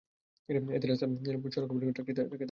এতে রাসেল সড়কে পড়ে গেলে ট্রাকটি তাঁকে চাপা দিয়ে চলে যায়।